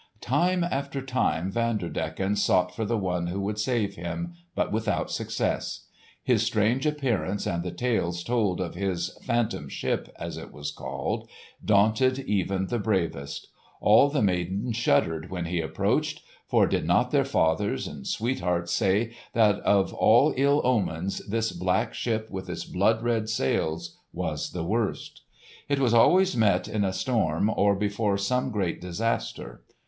Time after time Vanderdecken sought for the one who would save him, but without success. His strange appearance and the tales told of his "Phantom Ship," as it was called, daunted even the bravest. All the maidens shuddered when he approached, for did not their fathers and sweethearts say that of all ill omens this black ship with its blood red sails was the worst? It was always met in a storm or before some great disaster.